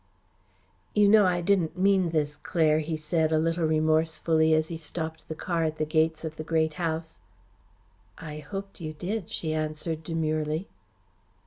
"You know I didn't mean this, Claire," he said, a little remorsefully, as he stopped the car at the gates of the Great House. "I hoped you did," she answered demurely.